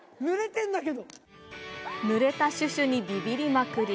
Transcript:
ぬれたシュシュにびびりまくり。